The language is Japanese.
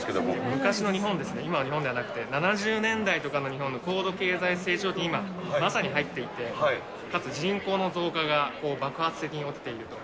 昔の日本ですね、今の日本ではなくて、７０年代とかの日本の高度経済成長期に今、まさに入っていて、かつ人口の増加が爆発的に起きていると。